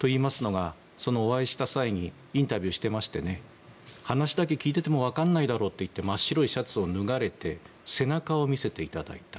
といいますのも、インタビューで話だけ聞いてても分からないだろうと言って真っ白いシャツを脱がれて背中を見せていただいた。